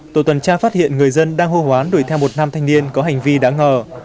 tổ tuần tra phát hiện người dân đang hô hoán đuổi theo một nam thanh niên có hành vi đã ngờ